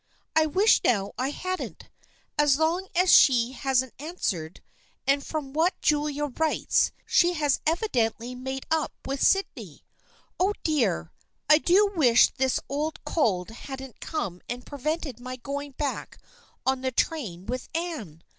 I wish now I hadn't, as long as she hasn't answered, and from what Julia writes she has evidently made up with Syd ney. Oh, dear, I do wish this old cold hadn't come and prevented my going back on the train with Anne